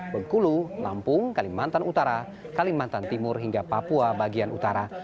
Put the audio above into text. bengkulu lampung kalimantan utara kalimantan timur hingga papua bagian utara